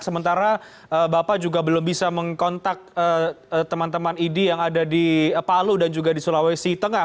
sementara bapak juga belum bisa mengkontak teman teman idi yang ada di palu dan juga di sulawesi tengah